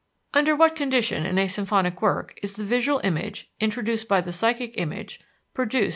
"Under what condition, in a symphonic work, is the visual image, introduced by the psychic image, produced?